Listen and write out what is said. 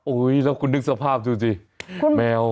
โอ้โหแล้วคุณนึกสภาพดูสิแมว